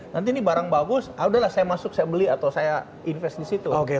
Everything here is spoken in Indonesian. nanti ini barang bagus udahlah saya masuk saya beli atau saya invest di situ